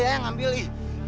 ih jangan ngambil lagi